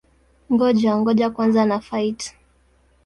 Ngoja-ngoja kwanza na-fight!